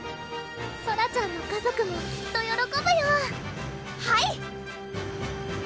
ソラちゃんの家族もきっとよろこぶよはい！